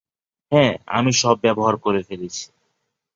হ্যাঁ, আমি সব ব্যবহার করে ফেলেছি।